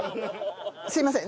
すいません。